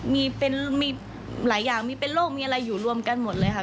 มีหลายอย่างมีเป็นโรคมีอะไรอยู่รวมกันหมดเลยค่ะ